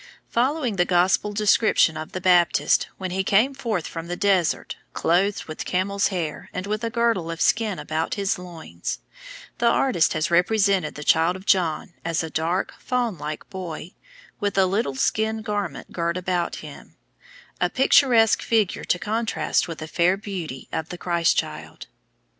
Following the Gospel description of the Baptist when he came forth from the desert "clothed with camel's hair and with a girdle of skin about his loins," the artist has represented the child John as a dark, faun like boy, with a little skin garment girt about him, a picturesque figure to contrast with the fair beauty of the Christ child.